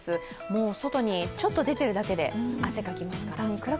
もう外にちょっと出てるだけで汗かきますから。